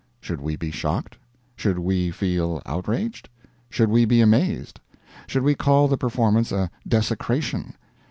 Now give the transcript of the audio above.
Should we be shocked? Should we feel outraged? Should we be amazed? Should we call the performance a desecration?